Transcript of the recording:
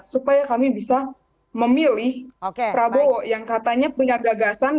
supaya kami bisa memilih prabowo yang katanya punya gagasan